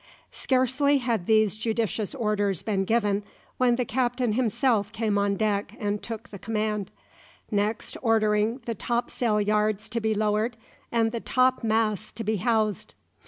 Scarcely had these judicious orders been given, when the captain himself came on deck and took the command, next ordering the top sail yards to be lowered and the top masts to be housed.